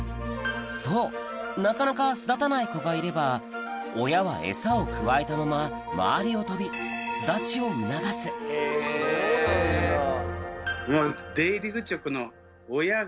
そうなかなか巣立たない子がいれば親はエサをくわえたまま周りを飛び巣立ちを促すそうなんだ。